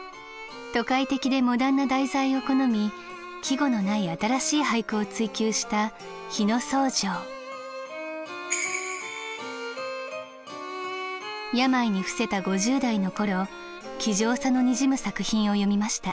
都会的でモダンな題材を好み季語のない新しい俳句を追求した病に伏せた５０代の頃気丈さのにじむ作品を詠みました。